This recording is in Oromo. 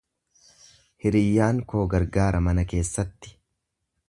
Hiriyyaan koo gargaara mana keessatti.